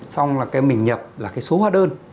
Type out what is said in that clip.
xong rồi mình nhập là cái số hóa đơn